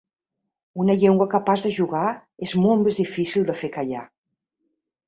Una llengua capaç de jugar és molt més difícil de fer callar.